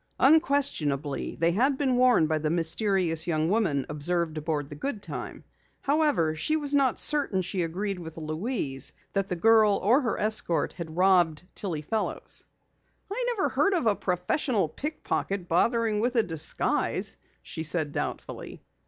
Unquestionably, they had been worn by the mysterious young woman observed aboard the Goodtime. However, she was not certain she agreed with Louise that the girl or her escort had robbed Tillie Fellows. "I never heard of a professional pickpocket bothering with a disguise," she said doubtfully.